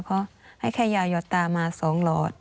เพราะให้แค่ยาหยอดตามาสองหลอด